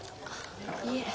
いえ。